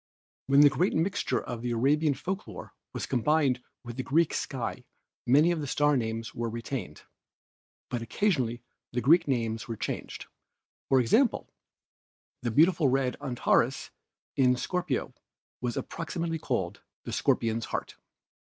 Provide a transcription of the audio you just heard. "When the great mixture of Arabian folk lore was combined with the Greek sky many of the star names were retained, but occasionally the Greek names were changed; for instance, the beautiful red Antares in Scor pio was approximately called the Scorpion's Heart.